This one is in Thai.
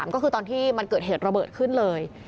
ก็คือตอนที่มันเกิดเหตุระเบิดขึ้นเลย